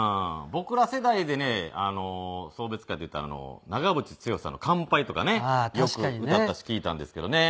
僕ら世代でね送別会っていったら長渕剛さんの『乾杯』とかねよく歌ったし聴いたんですけどね。